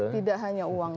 tidak hanya uang